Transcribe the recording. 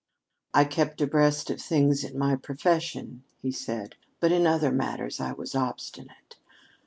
"I kept abreast of things in my profession," he said, "but in other matters I was obstinate.